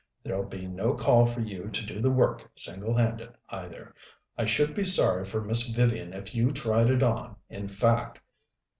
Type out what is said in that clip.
There'll be no call for you to do the work single handed, either. I should be sorry for Miss Vivian if you tried it on, in fact.